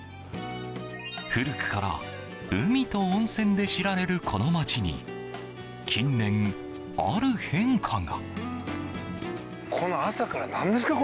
古くから海と温泉で知られるこの街に、近年ある変化が。